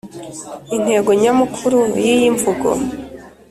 Intego nyamukuru y iyi mvugo